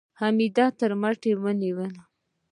حميديې تر مټ ونيو.